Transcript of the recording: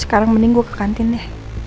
sekarang mending gue ke kantin deh